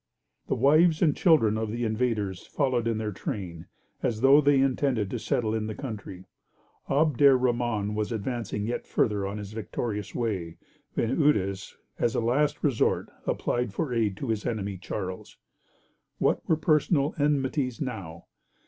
The wives and children of the invaders followed in their train, as though they intended to settle in the country. Abd er rahman was advancing yet farther on his victorious way, when Eudes, as a last resource, applied for aid to his enemy, Charles. What were personal enmities now?